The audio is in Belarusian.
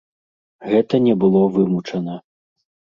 Гэта не было вымучана.